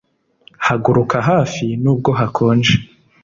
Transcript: haguruka hafi nubwo hakonje